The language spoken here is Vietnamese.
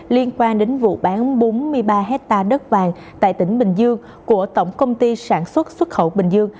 liên quan đến vụ bán bốn mươi ba hectare đất vàng tại tỉnh bình dương của tổng công ty sản xuất xuất khẩu bình dương